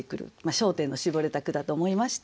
焦点の絞れた句だと思いました。